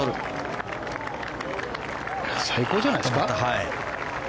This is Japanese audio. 最高じゃないですか。